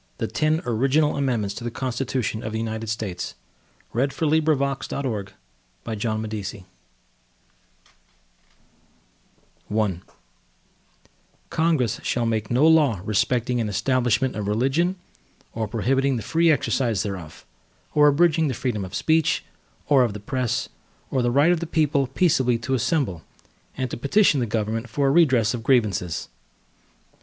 The Ten Original Amendments to the Constitution of the United States Passed by Congress September 25, 1789 Ratified December 15, 1791 I Congress shall make no law respecting an establishment of religion, or prohibiting the free exercise thereof; or abridging the freedom of speech, or of the press, or the right of the people peaceably to assemble, and to petition the Government for a redress of grievances.